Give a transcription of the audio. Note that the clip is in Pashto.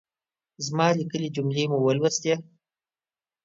زما ليکلۍ جملې مو ولوستلې؟